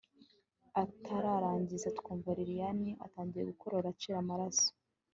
atararangiza twumva lilian atangiye gukorora acira amaraso